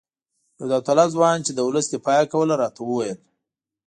یو داوطلب ځوان چې د ولس دفاع یې کوله راته وویل.